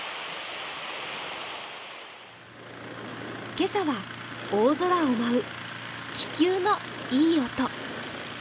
今朝は大空を舞う気球のいい音。